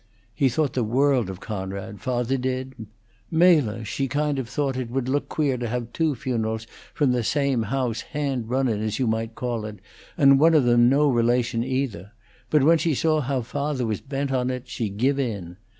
He thought the world of Coonrod, fawther did. Mela, she kind of thought it would look queer to have two funerals from the same house, hand runnin', as you might call it, and one of 'em no relation, either; but when she saw how fawther was bent on it, she give in.